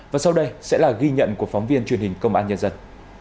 và sau đây sẽ là ghi nhận của phóng viên truyền hình công an nhân dân